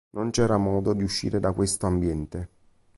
Non c'era modo di uscire da questo ambiente.